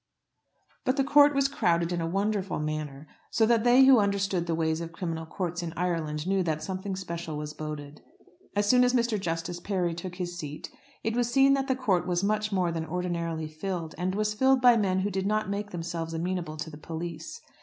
But the court was crowded in a wonderful manner, so that they who understood the ways of criminal courts in Ireland knew that something special was boded. As soon as Mr. Justice Parry took his seat, it was seen that the court was much more than ordinarily filled, and was filled by men who did not make themselves amenable to the police.